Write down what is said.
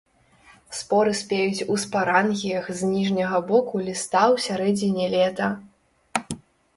Споры спеюць ў спарангіях з ніжняга боку ліста ў сярэдзіне лета.